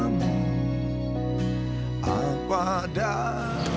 ngapain dia kesini